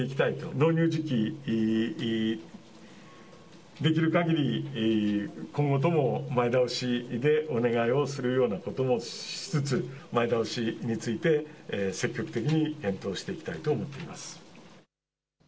納入時期、できるかぎり今後とも前倒しでお願いをするようなこともしつつ前倒しについて積極的に検討していきたいと思っています。